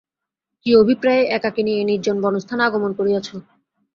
কী অভিপ্রায়ে একাকিনী এই নির্জন বনস্থানে আগমন করিয়াছ?